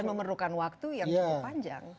dan memerlukan waktu yang cukup panjang